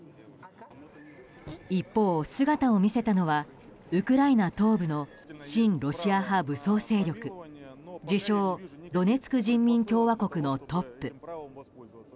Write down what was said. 一方、姿を見せたのはウクライナ東部の親ロシア派武装勢力自称ドネツク人民共和国のトップ。